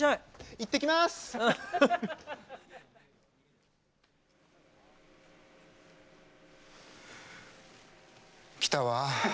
行ってきます！来たわ。